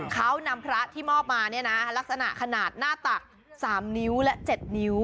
เขานำพระที่มอบมาเนี่ยนะลักษณะขนาดหน้าตัก๓นิ้วและ๗นิ้ว